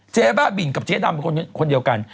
เจ๊บ้าบินกับเจ๊ดำเป็นคนเดียวกัน